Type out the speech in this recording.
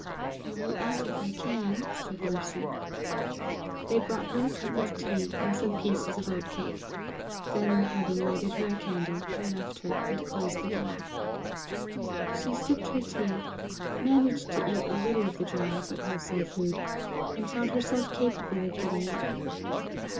"I will eat if I can," said Mercy. They brought her a cup of tea and some pieces of oat cake; then, having lighted her a candle, they left her, and closed the door. She sipped her tea, managed to eat a little of the dry but wholesome food, and found herself capable of getting up.